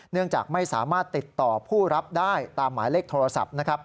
เนื่องจากไม่สามารถติดต่อผู้รับได้ตามหมายเลขโทรศัพท์